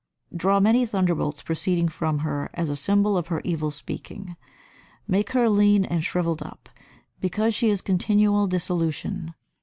Draw many thunderbolts proceeding from her as a symbol of her evil speaking. Make her lean and shrivelled up, because she is continual dissolution.